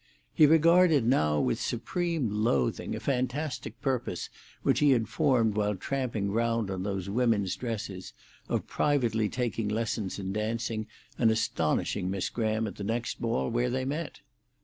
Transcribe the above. He regarded now with supreme loathing a fantastic purpose which he had formed while tramping round on those women's dresses, of privately taking lessons in dancing, and astonishing Miss Graham at the next ball where they met.